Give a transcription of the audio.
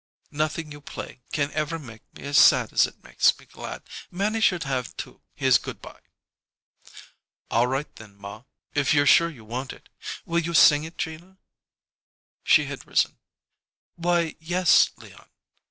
Nothing you play can ever make me as sad as it makes me glad. Mannie should have, too, his good by." "All right, then, ma, if if you're sure you want it. Will you sing it, Gina?" She had risen. "Why, yes, Leon."